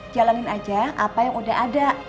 jalanin aja apa yang udah ada